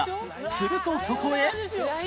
するとそこへ